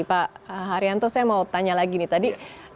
pak haryanto saya mau tanya lagi nih tadi